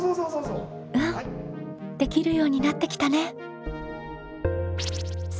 うんできるようになってきたね。